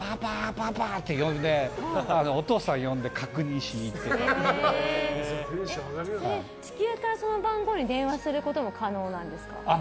パパ！って呼んでお父さん呼んで地球からその番号に電話することも可能なんですか？